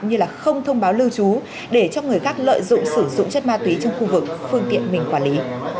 như là không thông báo lưu trú để cho người khác lợi dụng sử dụng chất ma túy trong khu vực phương tiện mình quản lý